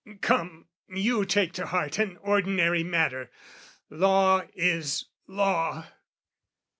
Come, you take to heart An ordinary matter. Law is law.